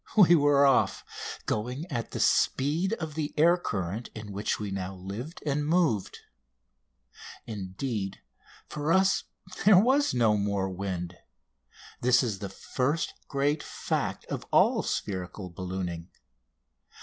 We were off, going at the speed of the air current in which we now lived and moved. Indeed, for us, there was no more wind; and this is the first great fact of all spherical ballooning.